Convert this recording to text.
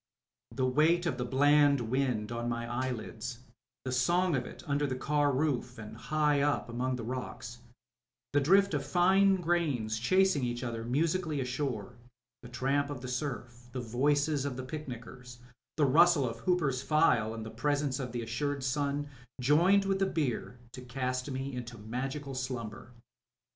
The weight of the bland wind on my eyelids; the song of it under the car roof, and high up among the rocks; the drift of fine grains chasing each other musically ashore; the tramp of the surf; the voices of the picnickers; the rustle of Hooper's file, and the presence of the assured sun, joined with the beer to cast me into magical slumber.